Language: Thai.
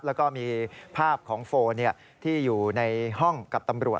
แล้วก็มีภาพของโฟนที่อยู่ในห้องกับตำรวจ